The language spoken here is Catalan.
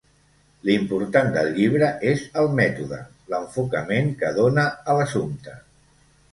L'important del llibre és el mètode, l'enfocament que dóna a l'assumpte.